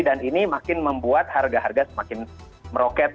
dan ini makin membuat harga harga semakin meroket